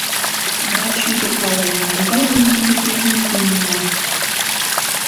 Врач ӱдыр палыже, могай мый интеллигентный еҥ улам!